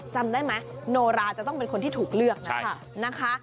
จำได้ไหมโนราจะต้องเป็นคนที่ถูกเลือกนะคะ